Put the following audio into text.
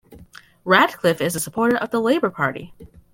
Radcliffe is a supporter of the Labour Party.